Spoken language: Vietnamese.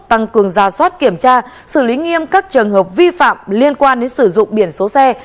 tăng cường ra soát kiểm tra xử lý nghiêm các trường hợp vi phạm liên quan đến sử dụng biển số xe